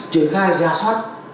triển khai giả soát